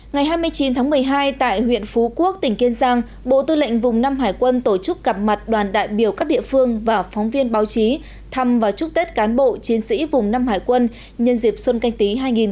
ngày hai mươi chín tháng một mươi hai tại huyện phú quốc tỉnh kiên giang bộ tư lệnh vùng năm hải quân tổ chức gặp mặt đoàn đại biểu các địa phương và phóng viên báo chí thăm và chúc tết cán bộ chiến sĩ vùng năm hải quân nhân dịp xuân canh tí hai nghìn hai mươi